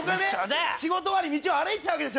仕事終わり道を歩いてたんです